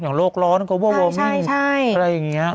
อย่างโรคร้อนก็ว่าว่ามิ้งอะไรอย่างเงี้ย